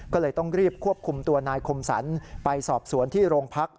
ก็เลยต้องรีบควบคุมตัวนายคมสรรไปสอบสวนที่โรงพัก